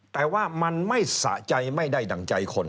แต่ว่ามันไม่สะใจไม่ได้ดั่งใจคน